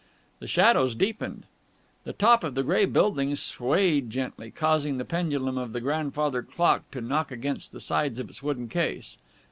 The shadows deepened. The top of the great building swayed gently, causing the pendulum of the grandfather clock to knock against the sides of its wooden case.